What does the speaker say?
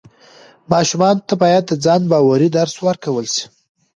ماشومانو ته باید د ځان باورۍ درس ورکړل سي.